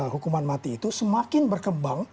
hukuman mati itu semakin berkembang